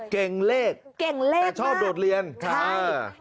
เก่งเล็กแต่ชอบโดดเรียนใช่เก่งเล็กมาก